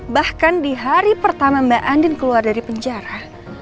bahkan di hari pertama mbak andin keluar dari penjara